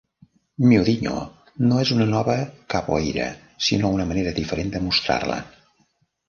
Miudinho no és una nova capoeira, sinó una manera diferent de mostrar-la.